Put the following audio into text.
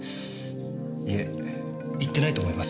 いえ行ってないと思います。